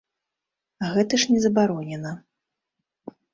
Гэта ж не забаронена.